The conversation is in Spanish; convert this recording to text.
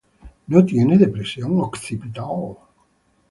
No tiene depresión occipital.